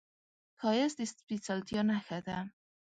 ښایست د سپېڅلتیا نښه ده